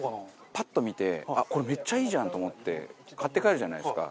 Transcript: パッと見てこれめっちゃいいじゃんと思って買って帰るじゃないですか。